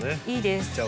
いいです。